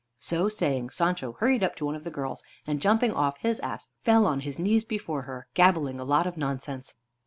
So saying, Sancho hurried up to one of the girls, and, jumping off his ass, fell on his knees before her, gabbling a lot of nonsense.